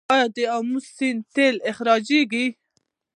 آیا د امو سیند تیل استخراج کیږي؟